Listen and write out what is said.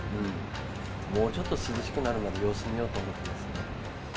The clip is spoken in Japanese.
もうちょっと涼しくなるまで様子見ようと思ってます。